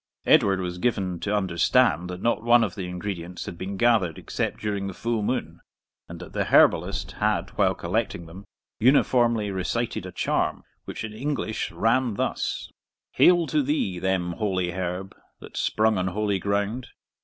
Edward was given to understand that not one of the ingredients had been gathered except during the full moon, and that the herbalist had, while collecting them, uniformly recited a charm, which in English ran thus: Hail to thee, thou holy herb, That sprung on holy ground!